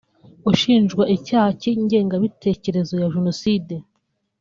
ushinjwa icyaha cy’ingengabitekerezo ya Jenoside